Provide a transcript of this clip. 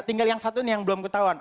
tinggal yang satu ini yang belum ketahuan